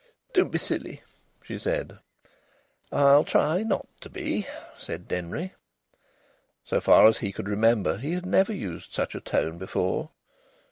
"Don't be silly!" she said. "I'll try not to be," said Denry. So far as he could remember, he had never used such a tone before.